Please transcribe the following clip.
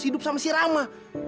hidup sama si rama